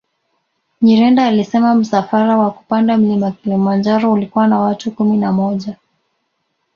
Nyirenda alisema msafara wa kupanda Mlima Kilimanjaro ulikuwa na watu kumi na moja